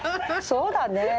そうだねえ。